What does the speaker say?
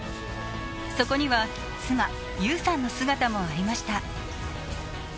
そこには妻・優さんの姿もありました。